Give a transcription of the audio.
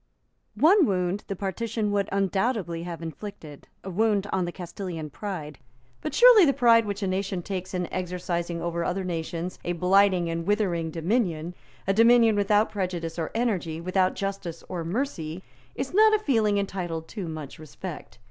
One wound the partition would undoubtedly have inflicted, a wound on the Castilian pride. But surely the pride which a nation takes in exercising over other nations a blighting and withering dominion, a dominion without prudence or energy, without justice or mercy, is not a feeling entitled to much respect.